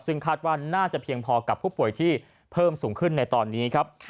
ซึ่งคาดว่าน่าจะเพียงพอกับผู้ป่วยที่เพิ่มสูงขึ้นในตอนนี้ครับ